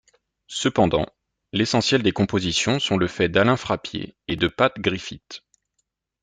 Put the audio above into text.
Cependant, l'essentiel des compositions sont le fait d'Alain Frappier et de Pat Griffiths.